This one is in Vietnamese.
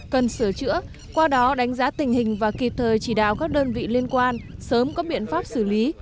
cần sửa chữa qua đó đánh giá tình hình và kịp thời chỉ đạo các đơn vị liên quan sớm có biện pháp xử lý